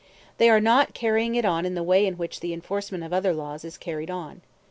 They are not carrying it on in the way in which the enforcement of other laws is carried on.